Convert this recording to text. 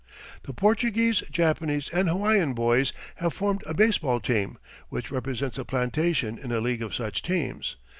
The Portuguese, Japanese and Hawaiian boys have formed a baseball team, which represents the plantation in a league of such teams.